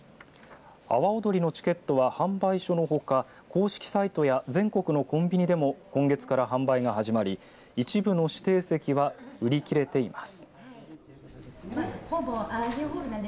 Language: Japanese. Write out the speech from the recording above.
阿波おどりのチケットは販売所のほか公式サイトや全国のコンビニでも今月から販売が始まり一部の指定席は売り切れています。